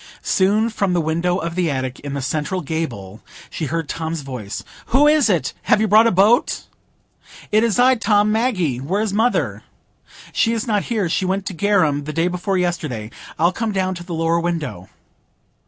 Soon, from the window of the attic in the central gable, she heard Tom's voice,— "Who is it? Have you brought a boat?" "It is I, Tom,—Maggie. Where is mother?" "She is not here; she went to Garum the day before yesterday. I'll come down to the lower window."